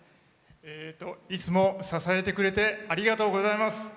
いつも支えてくれてありがとうございます。